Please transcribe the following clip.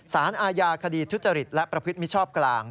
สารอาญาคดีทุจริตและประพฤติมิชชอบกลาง